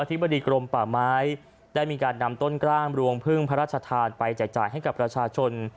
ธิบดีกรมป่าไม้ได้มีการนำต้นกล้ามรวงพึ่งพระราชทานไปแจกจ่ายให้กับประชาชน